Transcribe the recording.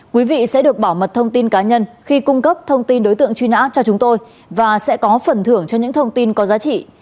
quý vị sẽ được bảo mật thông tin cá nhân khi cung cấp thông tin đối tượng truy nã cho chúng tôi và sẽ có phần thưởng cho những thông tin có giá trị